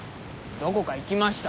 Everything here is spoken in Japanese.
どこか行きました。